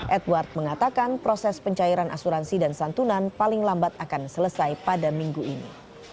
edward mengatakan proses pencairan asuransi dan santunan paling lambat akan selesai pada minggu ini